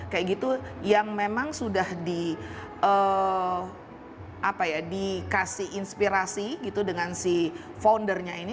kayak gitu yang memang sudah dikasih inspirasi gitu dengan si foundernya ini